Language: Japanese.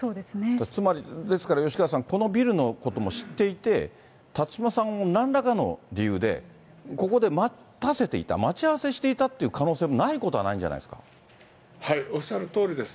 つまり、ですから吉川さん、このビルのことも知っていて、辰島さんをなんらかの理由でここで待たせていた、待ち合わせしていたという可能性もないことはないんじゃないんでおっしゃるとおりです。